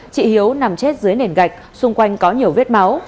chị hiếu nằm chết dưới nền gạch xung quanh có nhiều vết máu